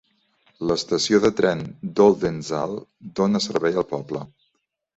L'estació de tren d'Oldenzaal dona servei al poble.